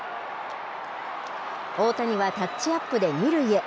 大谷はタッチアップで２塁へ。